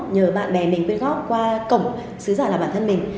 nhờ bạn bè mình quyên góp qua cổng sứ giả là bản thân mình